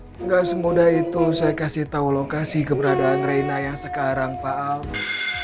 tidak semudah itu saya kasih tahu lokasi keberadaan reina yang sekarang pak album